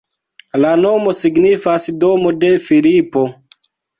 La nomo signifas domo de Filipo.